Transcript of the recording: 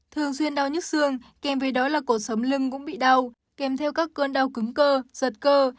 thường xuyên đau nhức xương kèm với đó là cột sấm lưng cũng bị đau kèm theo các cơn đau cứng cơ giật cơ